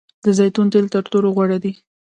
د زیتون تیل تر ټولو غوره دي.